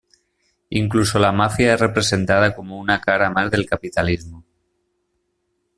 Incluso la mafia es representada como una cara más del capitalismo.